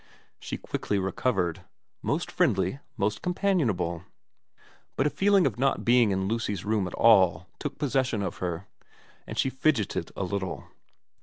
She quickly recovered. Most friendly. Most com panionable. But a feeling of not being in Lucy's room at all took possession of her, and she fidgeted a little.